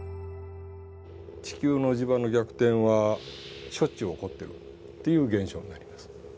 地球の磁場の逆転はしょっちゅう起こってるっていう現象になります。